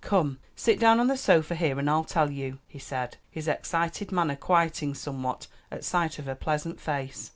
"Come, sit down on the sofa here and I'll tell you," he said, his excited manner quieting somewhat at sight of her pleasant face.